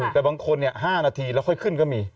แต่บางคน๕นาทีแล้วค่อยขึ้นก็มี